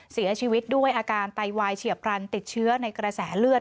เสียชีวิตด้วยอาการไตวายเฉียบพลันติดเชื้อในกระแสเลือด